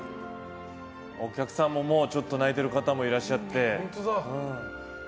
お客さんも、ちょっと泣いている方もいらっしゃって。